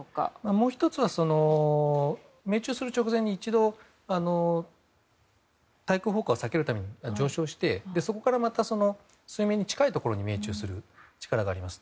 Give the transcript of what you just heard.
もう１つは命中する直前に一度対空砲火を避けるために上昇してそこから水面に近いところに命中する力があります。